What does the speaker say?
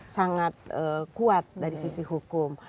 sangat kuat dari sisi hukum